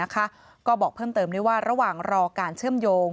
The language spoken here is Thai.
ก็บอกเพิ่มเติมด้วยว่าระหว่างรอการเชื่อมโยง